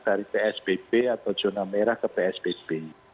dari psbb atau zona merah ke psbb